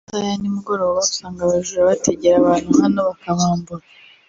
mu masaha ya nimugoroba usanga abajura bategera abantu hano bakabambura